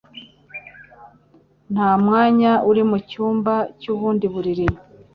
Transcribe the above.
Nta mwanya uri mucyumba cy'ubundi buriri.